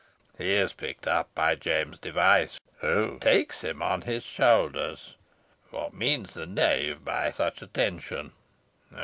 He is picked up by James Device, who takes him on his shoulders. What means the knave by such attention?